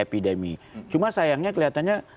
epidemi cuma sayangnya kelihatannya